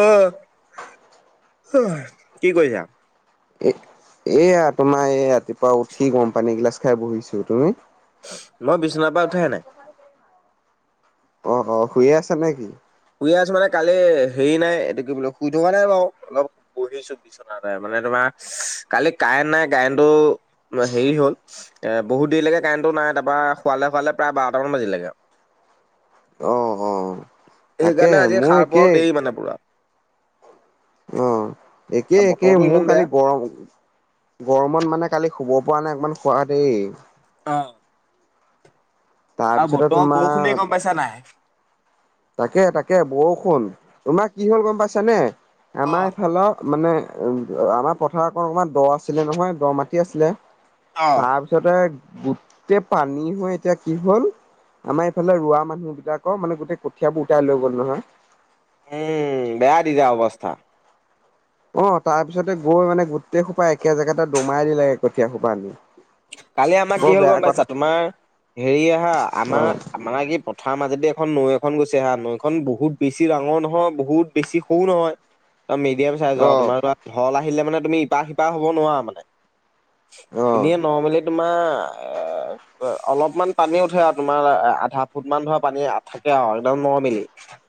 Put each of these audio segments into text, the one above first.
Of হয় কি কৰিছা? এ এয়া তোমাৰ এই ৰাতিপুৱা উঠি গৰম পানী এগিলাচ খাই বহিছো তুমি! মই বিছনাৰ পৰা উঠাই নাই। অ অ শুইে আছা নে কি শুই আছো মানে কালি হেৰি নাই এইটো কি বোলে শুই থকা নাই বাৰু অলপ বহিছোঁ না মানে তোমাৰ কালি কাৰেণ্ট নাই কাৰেণ্টটো হেৰি হ'ল এ বহুত দেৰি লৈকে কাৰেণ্টো নাই তাৰপৰা শুৱালে শুৱালে প্ৰায় বাৰটা মান বাজিলেগে আৰু অ অ তাকে সেইকাৰণে আজি মোৰ সাৰ পোৱাও একেই দেৰি মানে পুৰা একে আৰু একে বতৰটো মোৰ ইমান বেয়া কালি গৰম গৰমত মানে কালি শুব পৰা নাই অকণমান খোৱা দেই অ আৰু তাৰপিছতে বৰ্তমান তোমাৰ বৰষুণে গম পাইছা নাই তাকে তাকে বৰষুণ তোমাক কি হ'ল গম পাইছানে অ আমাৰ এইফালৰ মানে উ আমাৰ পথাৰক অকণমান দ আছিলে নহয় দ মাটি আছিলে অ তাৰপিছ তাৰছতে গোটেই পানী হৈ এতিয়া কি হ'ল আমাৰ এইফালে ৰোৱা মানুহবিলাকৰ মানে গোটেই কঠিয়াবোৰ উটাই লৈ গ'ল নহয় উম বেয়া তেতিয়া অৱস্থা অ তাৰ পিছতে গৈ মানে গোটেই সোপা একে জেগাতে দমাই দিলোগে কঠীয়া সোপা আনি কালি আমাক কি বৰ হল বেয়া গম পাইছা কথা তোমাৰ হেৰি আহা আমাৰ অ' আমাৰ কি পঠাৰ মাজেদি এখন নৈ এখন গৈছে হা নৈখন বহুত বেছি ডাঙৰ নহয় বহুত বেছি সৰু নহয় একম মিডিয়াম চাইজ আৰু অ' তোমাৰো ঢল আহিলে মানে তুমি ইপাহ সিপাহ হ'ব নোৱাৰা মানে এনেই অ' নৰ্মেলি তোমাৰ এ অলপমান পানী উঠে আৰু তোমাৰ আধা ফুট মান ধৰা পানী থাকে আৰু একদম নৰ্মেলি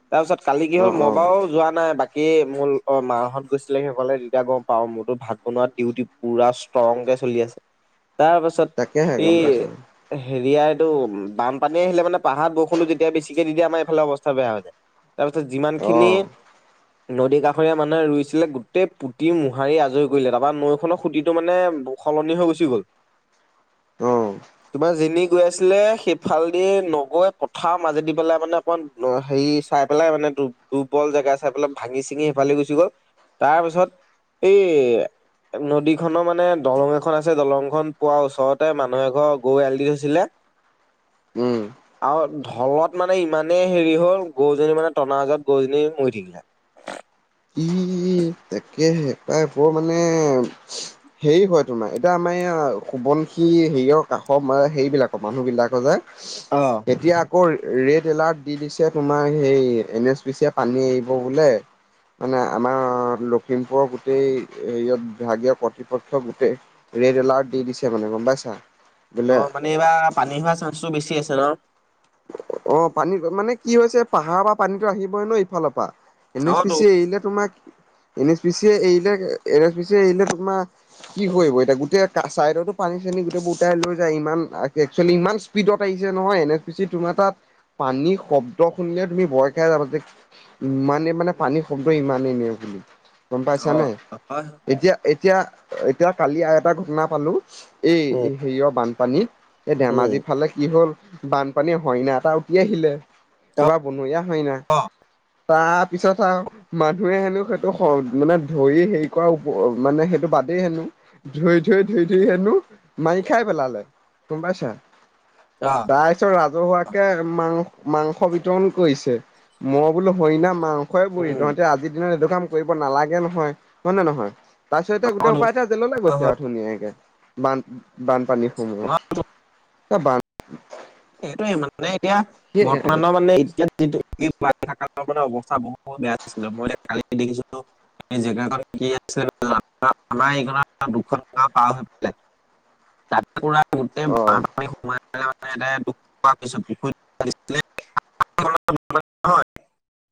তাৰপিছত কালি কি হল অ' মই অ' বাৰু যোৱা নাই বাকী কি মোৰ অ মাহঁত গৈছিলে সেই কলে তেতিয়া গম পাও মইতো ভাত বনা ডিউতি পুৰা ষ্ট্ৰং কে চলি আছে তাৰ পাছত তাকেহে গম এই পাইছো হেৰিয়া এইটো বানপানী আহিলে মানে পাহাৰ বৰষুণতটো যেতিয়া বেছিকে দি দিয়ে আমাৰ এইফালে অৱস্থা বেয়া হৈছে তাৰপিছত যিমান খিনি অ' নদীৰ কাষৰীয়া মানুহে ৰুইছিলে গোটেই পুতি মোহাৰি আজৰি কৰিলে তাৰপৰা নৈখনৰ সুতিটো মানে সলনি হৈ গুচি গ'ল অ তোমাৰ যেনি গৈ আছিলে সেইফালে দি নগৈ পথাৰ মাজেদি পেলাই মানে অকমান অ হেৰি চাই পেলাই মানে দুৰ্বল জেগাই চাই পেলাই ভাঙি চিঙি সিফালে গুচি গ'ল তাৰ পিছত এই নদীখনৰ মানে দলং এখন আছে দলংখন পোৱা ওচৰতে মানুহ এঘৰ গৰু এৰাল দি থৈছিলে উম। আৰু ঢলত মানে ইমানে হেৰি হ'ল গৰুজনী মানে টনাজত গৰুজনী মৰি থাকিলে ই তাকে সেই প্ৰাইবোৰ মানে হেৰি হয় তোমাৰ এতিয়া আমাৰ এই সোবনশি হেৰিয়ৰ কাষৰ সেইৰিবিলাকৰ মানুহবিলাকৰ যোয় অ এতিয়া আকৌ ৰেড এলাৰ্ট দি দিছে তোমাৰ সেই এন এছ পি চিয়ে পানী এৰিব বোলে মানে আমাৰ লখিমপুৰৰ গোটেই হেৰিয়াত বিভাগীয় কৰ্তৃপক্ষ গোটেই ৰেড এলাৰ্ট দি দিছে মানে গম পাইছা বোলে অ মানে এইবাৰ পানী হোৱা চান্সটো বেছি আছে ৰ অ পানী মানে কি হৈছে পাহাৰৰ পৰা পানীতো আহিবই ন ইফালৰ পৰা এন অ এছ পি তো চি এৰিলে তোমাৰ এন এছ পি চি এৰিলে এন এছ পি চি এৰিলে তোমাৰ কি কৰিব এতিয়া গোটেই চাইডতো পানী চানী গোটেই বোৰটাই লৈ যায় ইমান একচুৱেলি ইমান স্পিডত আহিছে নহয় এন এছ পি চি তোমাৰ তাত পানী শব্দ শুনিলে তুমি ভয় খাই যাবা যে ইমানে মানে পানী শব্দ ইমানেই নেওঁ বুলি। গম পাইছ অ নে হয়। এতিয়া এতিয়া এতিয়া কালি আৰু এটা ঘটনা পালো। এই উম হেৰিয় বানপানী এই উম ধেমাজিৰ ফালে কি হ'ল। বানপানী হৰিনা এটা উতি আহিলে অ কিবা বনৰীয়া হৰিনা। অ তা পিছত আও। মানুহে হেনো সেইটো মানে ধৰি হেৰি কৰা মানে সেইটো বাদেই হেনো। ধৈ ধৈ ধৈ ধৈ হেনো মাৰি খাই পেলালে গম পাইছা। [unintelligible] তাৰ পিছত ৰাজহুৱাকে মাং মাংস বিতৰণ কৰিছে মই বোলো হৰিণা মাং। খয় বুই উম তহঁতে আজিৰ দিনত এইটো কাম কৰিব নালাগে নহয় হয় নে নহয়। তাৰপিছত এতিয়া গোটেই সোপাই এতিয়া জেললৈ অ গৈছে হয়। আৰু ধুনীয়াকে বান। বানপানীসময়ত এ বান। সেইটোয়ে মানে এতিয়া বৰ্তমানৰ মানে এতিয়া। এই [unintelligible] অৱস্থা বহুত বেয়া আছিলে মই এতিয়া কালি দেখিছিলো ন। জখন কি আছিল আমাৰ এই দুশ টকা পাৰ হৈ পিলে। অ'। [unintelligible] [unintelligible] লাগিছিলে